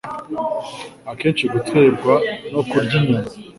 akenshi guterwa no kurya inyama,